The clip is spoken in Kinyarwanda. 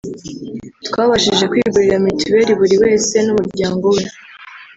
twabashije kwigurira mitiweli buri wese n’umuryango we